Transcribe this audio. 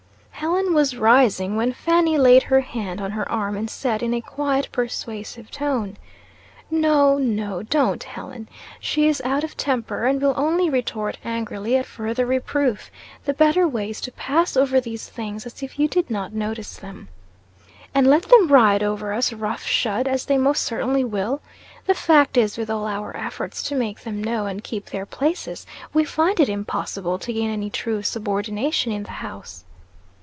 Helen was rising, when Fanny laid her hand on her arm, and said, in a quiet persuasive tone, "No no don't, Helen. She is out of temper, and will only retort angrily at further reproof. The better way is to pass over these things as if you did not notice them." "And let them ride over us rough shod, as they most certainly will! The fact is, with all our efforts to make them know and keep their places, we find it impossible to gain any true subordination in the house."